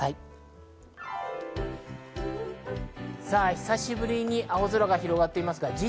久しぶりに青空が広がっています。